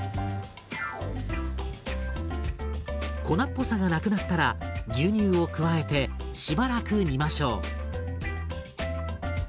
粉っぽさがなくなったら牛乳を加えてしばらく煮ましょう。